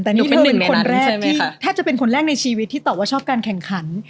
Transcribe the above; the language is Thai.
แต่นี่เธอเป็นคนแรกในชีวิตที่ตอบว่าชอบการแข่งขัน